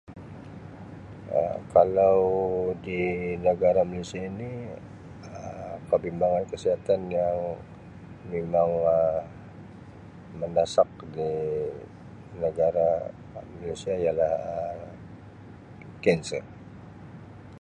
Um Kalau di negara Malaysia ini Um kebimbangan kesihatan yang Um memang Um mendesak di negara Malaysia ialah Um kanser.